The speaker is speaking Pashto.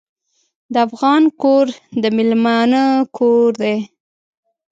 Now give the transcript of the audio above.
د افغان کور د میلمانه کور دی.